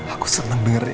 aku seneng denger ya